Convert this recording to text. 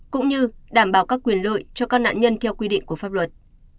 cũng như đảm bảo các quyền lợi cho các nạn nhân theo quy định của pháp luật